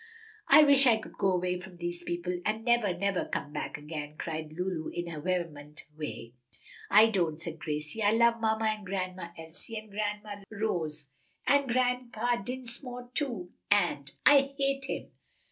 "I wish we could go away from these people and never, never come back again!" cried Lulu in her vehement way. "I don't," said Gracie. "I love mamma and Grandma Elsie, and Grandma Rose, and Grandpa Dinsmore, too, and " "I hate him!